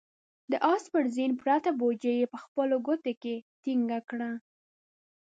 د آس پر زين پرته بوجۍ يې په خپلو ګوتو کې ټينګه کړه.